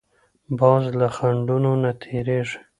باز له خنډونو نه تېرېږي